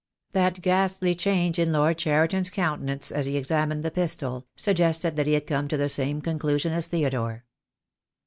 That ghastly change in Lord Cheriton' s countenance as he examined the pistol, suggested that he had come to the same conclusion as Theodore.